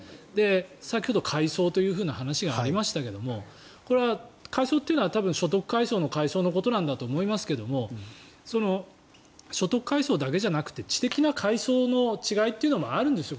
先ほど階層という話がありましたがこれは階層というのは所得階層の階層なんだと思いますが所得階層だけじゃなくて知的な階層の違いというのもあるんですよ。